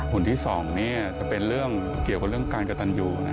หุ่นที่๒จะเป็นเรื่องเกี่ยวกับเรื่องการกระตันอยู่